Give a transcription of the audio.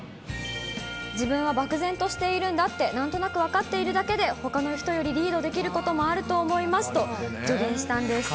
自分は漠然としているんだって、なんとなく分かっているだけで、ほかの人よりリードできることもあると思いますと、助言したんです。